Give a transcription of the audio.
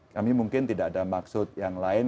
kami mungkin tidak ada maksud yang lain